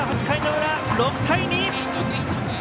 ８回の裏、６対２！